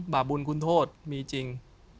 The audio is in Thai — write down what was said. บาปบุญคุณโทษมีจริง